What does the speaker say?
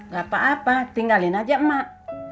gak apa apa tinggalin aja emak